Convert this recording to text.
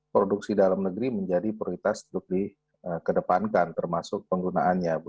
produksi dalam negeri menjadi prioritas untuk dikedepankan termasuk penggunaannya